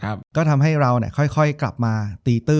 จบการโรงแรมจบการโรงแรม